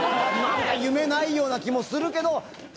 なんか夢ないような気もするけど。